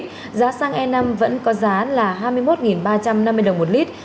trong khi đó giá xăng e năm ron chín mươi năm vẫn giữ nguyên giá hai mươi hai một trăm năm mươi đồng một lít